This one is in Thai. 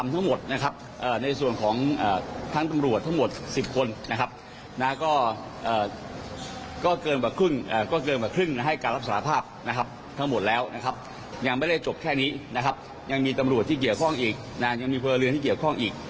ที่จะขยายจากส่วนนี้ไป